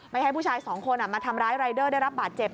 ให้ผู้ชายสองคนมาทำร้ายรายเดอร์ได้รับบาดเจ็บ